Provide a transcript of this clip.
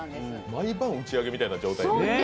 毎晩打ち上げみたいな状況で。